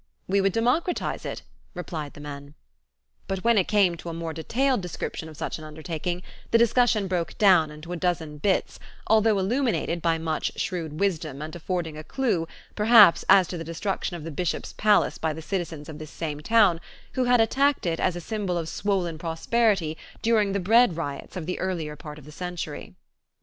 "We would democratize it," replied the men. But when it came to a more detailed description of such an undertaking, the discussion broke down into a dozen bits, although illuminated by much shrewd wisdom and affording a clue, perhaps as to the destruction of the bishop's palace by the citizens of this same town, who had attacked it as a symbol of swollen prosperity during the bread riots of the earlier part of the century.